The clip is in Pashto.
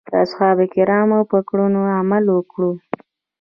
د اصحابو کرامو په کړنو عمل وکړو.